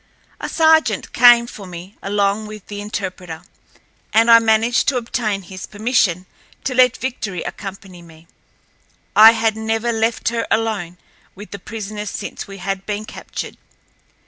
A sergeant came for me along with the interpreter, and I managed to obtain his permission to let Victory accompany me—I had never left her alone with the prisoners since we had been captured.